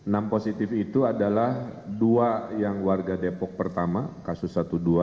enam positif itu adalah dua yang warga depok pertama kasus satu dua